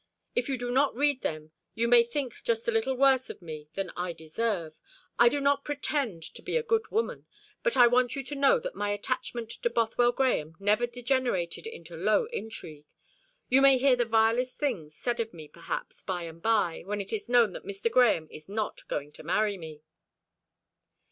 "If you do not read them, you may think just a little worse of me than I deserve. I do not pretend to be a good woman; but I want you to know that my attachment to Bothwell Grahame never degenerated into a low intrigue. You may hear the vilest things said of me, perhaps, by and by, when it is known that Mr. Grahame is not going to marry me."